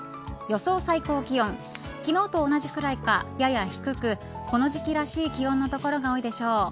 予想最高気温昨日と同じくらいか、やや低くこの時期らしい気温の所が多いでしょう。